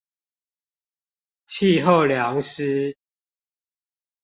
氣候涼溼